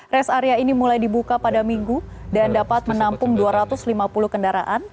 res area ini mulai dibuka pada minggu dan dapat menampung dua ratus lima puluh kendaraan